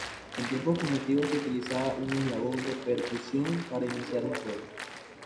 En tiempos primitivos se utilizaba un eslabón de percusión para iniciar un fuego.